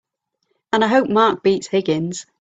And I hope Mark beats Higgins!